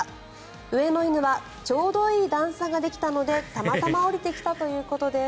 上の犬はちょうどいい段差ができたのでたまたま下りてきたということです。